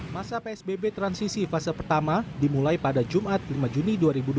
masa psbb transisi fase pertama dimulai pada jumat lima juni dua ribu dua puluh